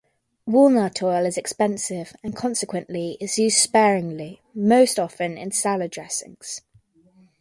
Walnut oil is expensive and consequently is used sparingly; most often in salad dressings.